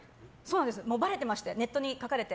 もうばれてましてネットに書かれて。